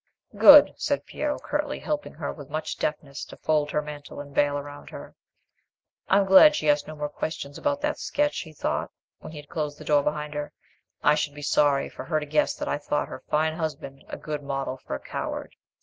"Good," said Piero, curtly, helping her with much deftness to fold her mantle and veil round her. "I'm glad she asked no more questions about that sketch," he thought, when he had closed the door behind her. "I should be sorry for her to guess that I thought her fine husband a good model for a coward.